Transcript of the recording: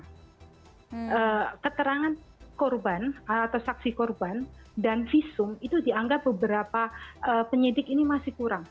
nah keterangan korban atau saksi korban dan visum itu dianggap beberapa penyidik ini masih kurang